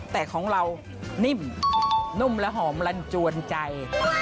แต่ของเรานิ่มนุ่มและหอมลันจวนใจ